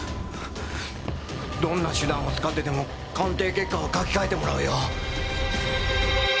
どんな手段を使ってでも鑑定結果は書き換えてもらうよ！